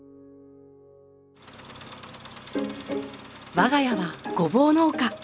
我が家はごぼう農家。